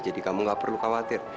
jadi kamu gak perlu khawatir